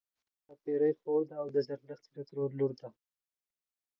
زرغونه د ښاپيرې خور ده او د زرلښتی د ترور لور ده